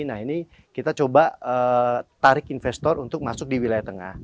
nah ini kita coba tarik investor untuk masuk di wilayah tengah